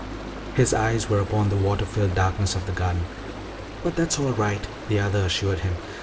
His eyes were upon the water filled darkness of the garden. "But that's all right," the other assured him.